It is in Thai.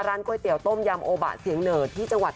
ร้านก๋วยเตี๋ยวต้มยำโอบาเสียงเหนิด